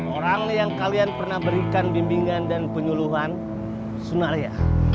orang yang kalian pernah berikan bimbingan dan penyuluhan sunaria